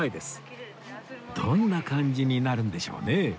どんな感じになるんでしょうね